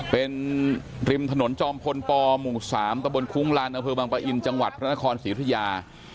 เป็นริมถนนจอมพลปหมู่๓ตะบนคุ้งลานอำเภอบางปะอินจังหวัดพระนครศรีธุยา